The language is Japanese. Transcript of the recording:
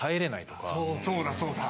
そうだそうだ。